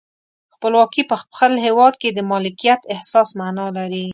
خپلواکي په خپل هیواد کې د مالکیت احساس معنا لري.